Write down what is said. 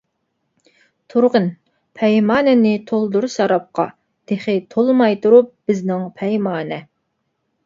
تۇرغىن، پەيمانىنى تولدۇر شارابقا، تېخى تولماي تۇرۇپ بىزنىڭ پەيمانە.